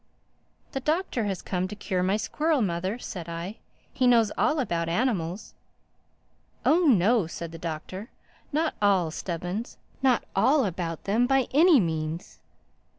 "The Doctor has come to cure my squirrel, Mother," said I. "He knows all about animals." "Oh, no," said the Doctor, "not all, Stubbins, not all about them by any means."